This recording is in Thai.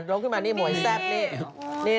ร้องขึ้นมานี่มวยแซ่บนี่